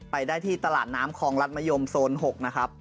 ไปได้ที่ตลาดน้ำคลองรัฐมะยมโซน๖นะครับ